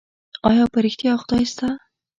ايا په رښتيا خدای سته؟